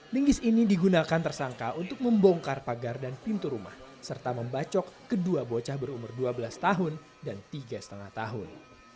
linggis ini digunakan tersangka untuk membongkar pagar dan pintu rumah serta membacok kedua bocah berumur dua belas tahun dan tiga lima tahun